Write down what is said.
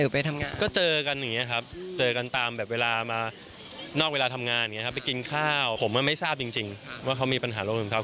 ไปกินข้าวผมไม่ทราบจริงว่าเขามีปัญหาโรงพยาบคลับ